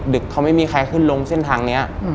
เขาไม่มีใครขึ้นลงเส้นทางนี้